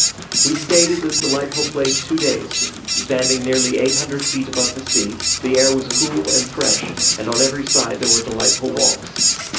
We stayed at this delightful place two days; standing nearly 800 feet above the sea, the air was cool and fresh, and on every side there were delightful walks.